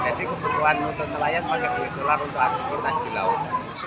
jadi kebutuhan untuk nelayan banyak lebih solar untuk habis habis di laut